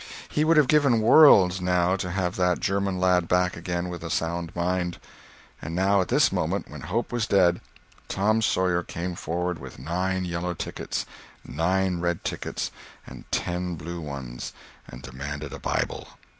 He would have given worlds, now, to have that German lad back again with a sound mind. And now at this moment, when hope was dead, Tom Sawyer came forward with nine yellow tickets, nine red tickets, and ten blue ones, and demanded a Bible.